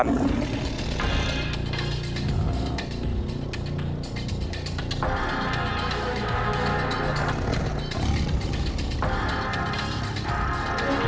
jangan lupa untuk mencoba